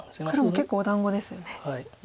黒も結構お団子ですよね。